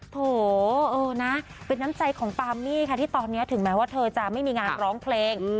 โถเออนะเป็นน้ำใจของปามมี่ค่ะที่ตอนนี้ถึงแม้ว่าเธอจะไม่มีงานร้องเพลง